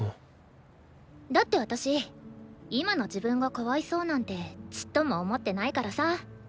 だって私今の自分がかわいそうなんてちっとも思ってないからさ。